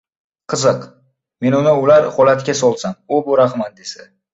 Qiziq, men uni o‘lar holatga solsam-u, bu rahmat desa.